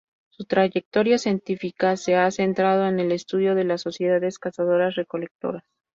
Su trayectoria científica se ha centrado en el estudio de las sociedades cazadoras-recolectoras.